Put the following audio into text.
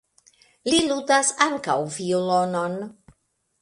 Li ludas ankaŭ violonon.